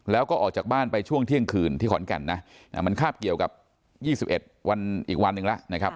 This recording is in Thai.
แล้วก็ออกจากบ้านไปช่วงเที่ยงคืนที่ขอนแก่นนะมันคาบเกี่ยวกับ๒๑วันอีกวันหนึ่งแล้วนะครับ